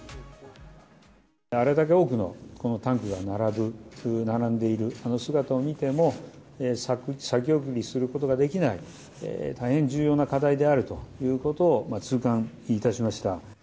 あれだけ多くのタンクが並ぶ、並んでいる、あの姿を見ても、先送りすることができない、大変重要な課題であるということを痛感いたしました。